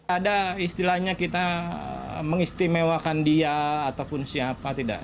ada istilahnya kita mengistimewakan dia ataupun siapa tidak